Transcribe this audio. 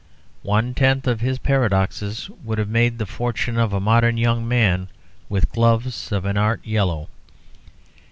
One tenth of his paradoxes would have made the fortune of a modern young man with gloves of an art yellow.